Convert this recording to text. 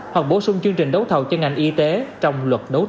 hoặc bổ sung chương trình đấu thầu cho ngành y tế trong luật đấu thầu